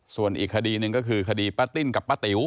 ส่วนอีกคดีหนึ่งก็คือคดีป้าติ้นกับป้าติ๋ว